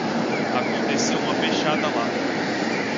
Aconteceu uma pechada lá